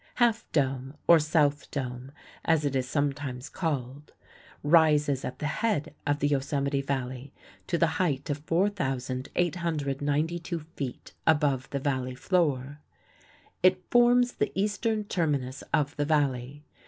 Half Dome, or South Dome, as it is sometimes called, rises at the head of the Yosemite Valley to the height of 4,892 feet above the valley floor. It forms the eastern terminus of the Valley.